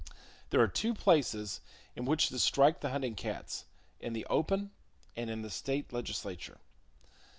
There are two places in which to strike the hunting cats: in the open, and in the state legislature.